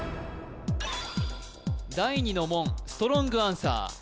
第二の門ストロングアンサー